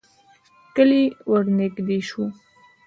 کلی ورنږدې شو.